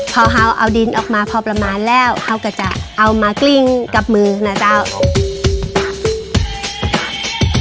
พอเขาเอาดินออกมาพอประมาณแล้วเขาก็จะเอามากลิ้งกับมือนะเจ้า